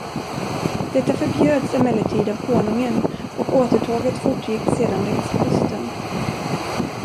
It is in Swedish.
Detta förbjöds emellertid av konungen, och återtåget fortgick sedan längs kusten.